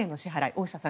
大下さん